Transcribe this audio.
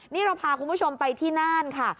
นี่เราพาคุณผู้ชมไปที่น่านค่ะ